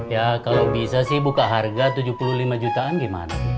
ya kalau bisa sih buka harga tujuh puluh lima jutaan gimana